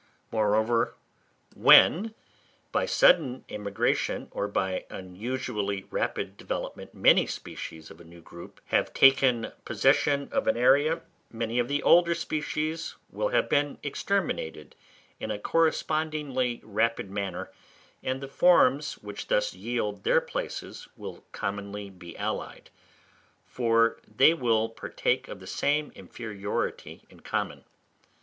Moreover, when, by sudden immigration or by unusually rapid development, many species of a new group have taken possession of an area, many of the older species will have been exterminated in a correspondingly rapid manner; and the forms which thus yield their places will commonly be allied, for they will partake of the same inferiority in common.